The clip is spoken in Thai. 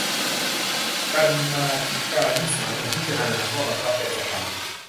กรรมาธิการวิสามัญพิจารณาข้อบังคับเต็มสภา